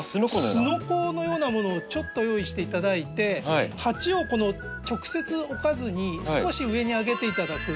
すのこのようなものをちょっと用意して頂いて鉢を直接置かずに少し上に上げて頂く。